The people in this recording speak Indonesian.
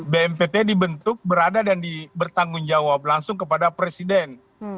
bnpt dibentuk berada dan bertanggung jawab langsung kepada presiden